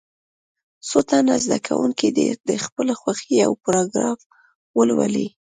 څو تنه زده کوونکي دې د خپلې خوښې یو پاراګراف ولولي.